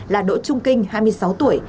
là đỗ trung kinh hai mươi sáu tuổi